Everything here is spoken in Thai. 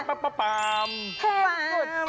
เป็นสุด